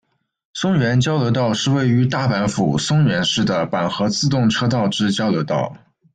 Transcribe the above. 松原交流道是位于大阪府松原市的阪和自动车道之交流道。